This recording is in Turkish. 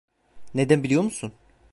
Neden biliyor musun?